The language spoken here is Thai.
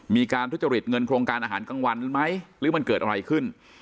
มีการทุจริตเงินโครงการอาหารกลางวันไหมหรือมันเกิดอะไรขึ้น